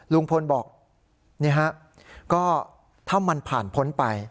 ลุงพลบอกนี่ฮะก็ถ้ามันผ่านพ้นไป